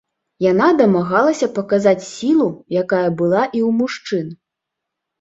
Яна дамагалася паказаць сілу, якая была і ў мужчын.